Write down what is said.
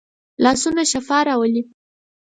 لاسونه شفا راولي